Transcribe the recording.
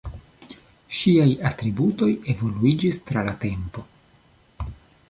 Ŝiaj atributoj evoluiĝis tra la tempo.